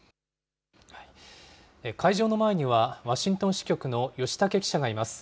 会場の前には、ワシントン支局の吉武記者がいます。